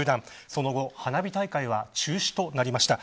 その後花火大会は中止となりました。